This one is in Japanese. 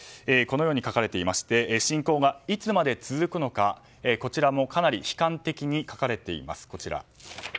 このように書かれていまして侵攻がいつまで続くのかこちらもかなり悲観的に書かれています。